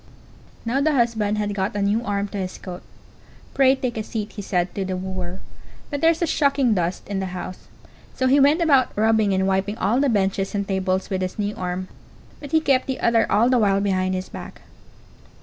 Now the husband had got a new arm to his coat. "Pray, take a seat," he said to the wooer; "but there's a shocking dust in the house." So he went about rubbing and wiping all the benches and tables with his new arm, but he kept the other all the while behind his back.